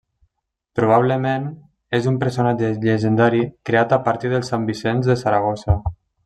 Probablement, és un personatge llegendari creat a partir del sant Vicenç de Saragossa.